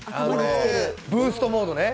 ブーストモードね。